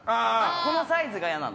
このサイズが嫌なの。